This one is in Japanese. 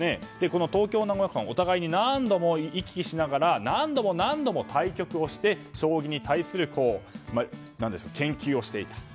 この東京名古屋間をお互いに何度も行き来しながら何度も何度も対局をして将棋に対する研究をしていた。